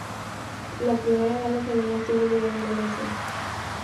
La primera gala semanal tuvo lugar en Venecia.